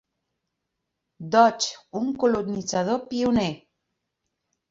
Dodge, un colonitzador pioner.